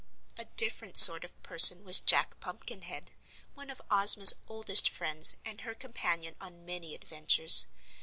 A different sort of person was Jack Pumpkinhead, one of Ozma's oldest friends and her companion on many adventures.